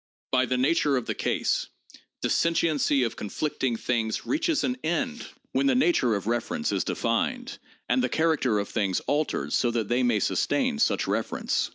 By the nature of the case, dissentiency of conflicting things reaches an end when the PSYCHOLOGY AND SCIENTIFIC METHODS 657 nature of reference is defined, and the character of things altered so that they may sustain such reference.